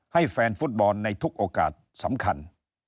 ให้แฟนฟุตบอลในทุกโอกาสสำคัญ